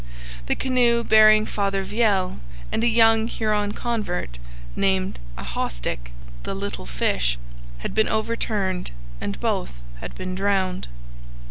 The canoe bearing Father Viel and a young Huron convert named Ahaustic (the Little Fish) had been overturned and both had been drowned.